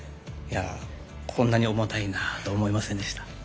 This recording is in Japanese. こんなに重たいと思いませんでした。